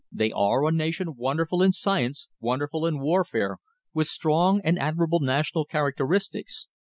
They are a nation wonderful in science, wonderful in warfare, with strong and admirable national characteristics.